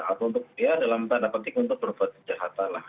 atau untuk dia dalam tanda petik untuk berbuat kejahatan lah